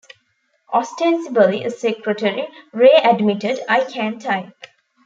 Ostensibly a secretary, Ray admitted: I can't type.